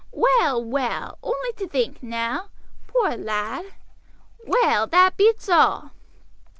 Well, well, only to think, now! Poor lad! Well, that beats all!"